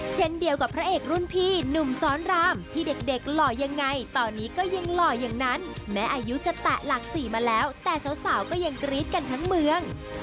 เช่นเดียวกับพระเอกรุ่นพี่หนุ่มสอนรามที่เด็กหล่อยังไงตอนนี้ก็ยังหล่ออย่างนั้นแม้อายุจะแตะหลัก๔มาแล้วแต่สาวก็ยังกรี๊ดกันทั้งเมือง